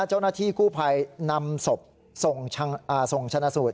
เจ้าหน้าที่กู้ภัยนำศพส่งชนะสูตร